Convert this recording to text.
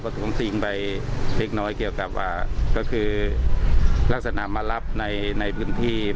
ถุงซิงไปเล็กน้อยเกี่ยวกับก็คือลักษณะมารับในพื้นที่